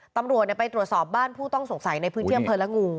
ตำรวจไปตรวจสอบบ้านผู้ต้องสงสัยในพื้นที่อำเภอละงู